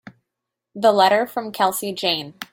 The letter from Kelsey Jane.